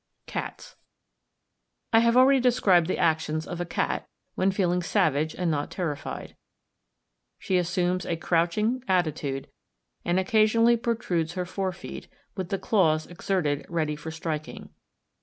Cats.—I have already described the actions of a cat (fig. 9), when feeling savage and not terrified. She assumes a crouching attitude and occasionally protrudes her fore feet, with the claws exserted ready for striking.